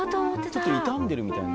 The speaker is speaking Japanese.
ちょっと傷んでるみたいな。